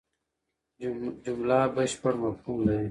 جمله بشپړ مفهوم لري.